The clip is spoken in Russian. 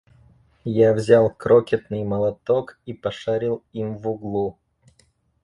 Я взял крокетный молоток и пошарил им в углу.